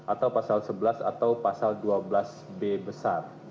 atau pasal sebelas atau pasal dua belas b besar